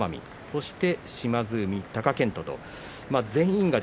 そして、島津海、貴健斗。